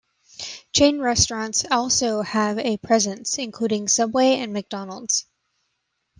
Chain restaurants also have a presence, including Subway and McDonald's.